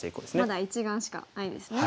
まだ１眼しかないですね。